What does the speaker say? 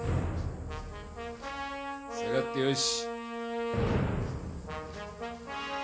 下がってよし。